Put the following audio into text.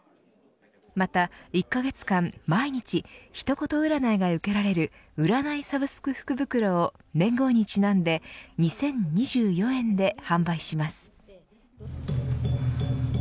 また、１カ月間毎日一言占いが受けられる占いサブスク福袋を年号にちなんで２０２４円で販売します。